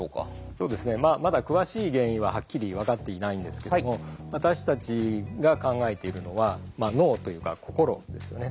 そうですねまだ詳しい原因ははっきり分かっていないんですけども私たちが考えているのは脳というか心ですよね